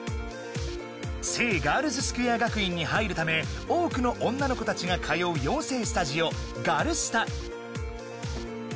聖ガールズスクエア学院に入るため多くの女の子たちが通う養成スタジオガルスタ。